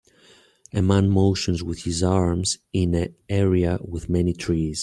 A man motions with his arms in a area with many trees.